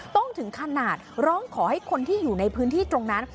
ถึงขนาดร้องขอให้คนที่อยู่ในพื้นที่ตรงนั้น